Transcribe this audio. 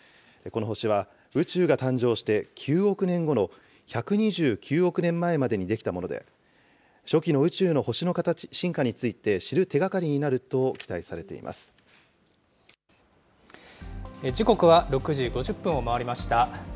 この星は宇宙が誕生して９億年後の１２９億年前までに出来たもので、初期の宇宙の星の進化について知る手がかりになると期待されてい時刻は６時５０分を回りました。